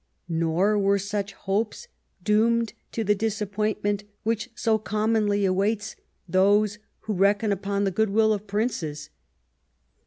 Nor were such hopes doomed to the dis appointment which so commonly waits upon those who reckon upon the goodwill of princes.